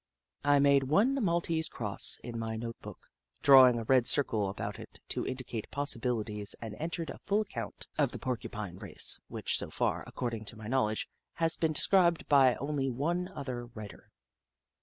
I made one maltese cross in my note book, drawing a red circle about it to indicate possibilities, and entered a full account of the Porcupine race, which so far, according to my knowledge, has been described by only one other writer.